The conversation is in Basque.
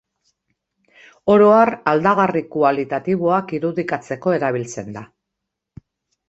Oro har, aldagarri kualitatiboak irudikatzeko erabiltzen da.